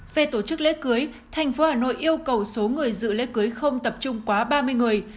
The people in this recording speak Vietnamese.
về tổ chức lễ cưới thành phố hà nội yêu cầu số người dự lễ cưới không tập trung quá ba mươi người